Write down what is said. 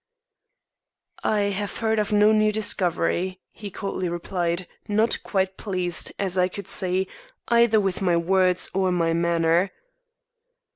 "I have heard of no new discovery," he coldly replied, not quite pleased, as I could see, either with my words or my manner.